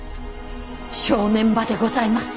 正念場でございます。